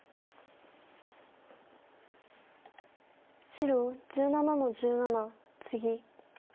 白１７の十七ツギ。